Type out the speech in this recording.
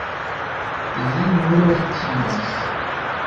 Ili nur timas.